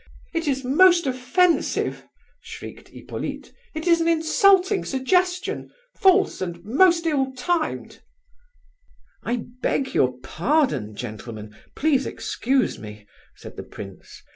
"It is most offensive!" shrieked Hippolyte; "it is an insulting suggestion, false, and most ill timed." "I beg your pardon, gentlemen; please excuse me," said the prince.